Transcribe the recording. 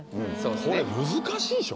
これ難しいでしょ？